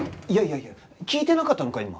いやいやいや聞いてなかったのか？